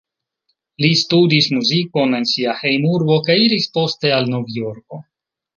Li studis muzikon en sia hejmurbo kaj iris poste al Novjorko.